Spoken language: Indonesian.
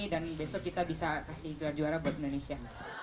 dan besok kita bisa kasih gelar juara buat indonesia